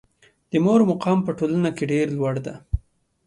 د مور مقام په ټولنه کې ډېر لوړ ده.